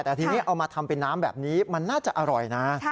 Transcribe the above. แต่ถ้าทำหนามแบบนี้น่าจะอร่อย